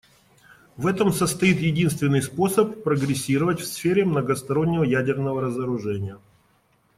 В этом состоит единственный способ прогрессировать в сфере многостороннего ядерного разоружения.